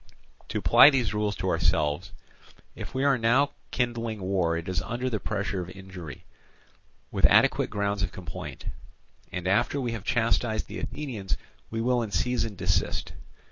"To apply these rules to ourselves, if we are now kindling war it is under the pressure of injury, with adequate grounds of complaint; and after we have chastised the Athenians we will in season desist.